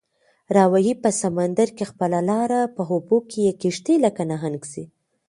راوهي په سمندر کې خپله لاره، په اوبو کې یې کشتۍ لکه نهنګ ځي